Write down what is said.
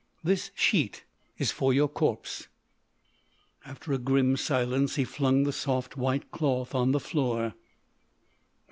This sheet is for your corpse.'" After a grim silence he flung the soft white cloth on the floor.